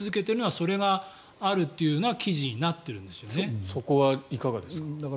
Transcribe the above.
そこはいかがですか。